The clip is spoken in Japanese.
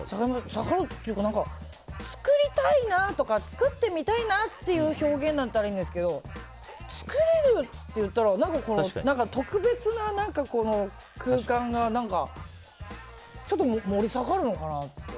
下がるっていうか作りたいなとか作ってみたいなっていう表現だったらいいんですけど作れる！って言ったら何か、特別な空間がちょっと盛り下がるのかなって。